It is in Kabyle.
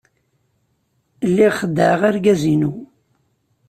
Lliɣ xeddɛeɣ argaz-inu.